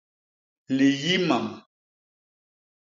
Liyi mam.